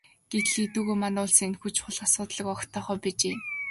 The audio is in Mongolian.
Гэтэл эдүгээ манай улс энэхүү чухал асуудлыг огт тоохоо байжээ.